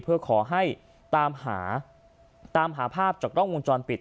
เพื่อขอให้ตามหาภาพจากร่องวงจรปิด